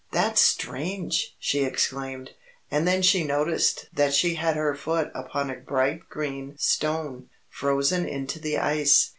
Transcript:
"That's strange!" she exclaimed, and then she noticed that she had her foot upon a bright green stone, frozen into the ice.